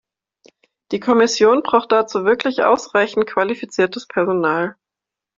Die Kommission braucht dazu wirklich ausreichend qualifiziertes Personal.